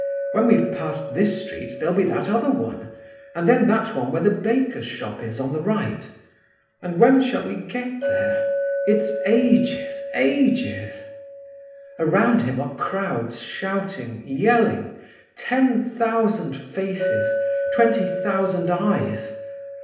When we've passed this street there'll be that other one; and then that one where the baker's shop is on the right; and when shall we get there? It's ages, ages!' Around him are crowds shouting, yelling—ten thousand faces, twenty thousand eyes.